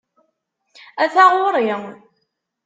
Ata ɣur-i!